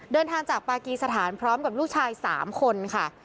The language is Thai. เดินทางจากปากีสถานพร้อมกับลูกชาย๓คนค่ะ